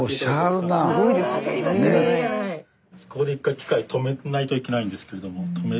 ここで一回機械止めないといけないんですけれどもへえ！